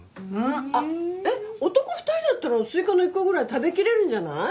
えっ男２人だったらスイカの１個くらい食べきれるんじゃない？